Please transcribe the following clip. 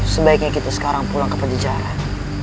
sebaiknya kita sekarang pulang ke penjara